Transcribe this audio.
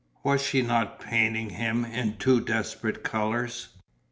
Was she not painting him in too desperate colours?